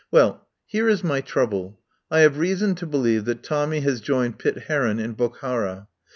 "Well, here is my trouble. I have reason to believe that Tommy has joined Pitt Heron in Bokhara.